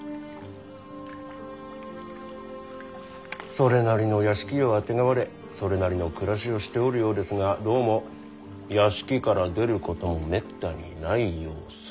それなりの屋敷をあてがわれそれなりの暮らしをしておるようですがどうも屋敷から出ることもめったにない様子。